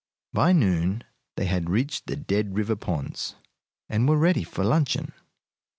By noon they had reached the Dead River Ponds, and were ready for luncheon.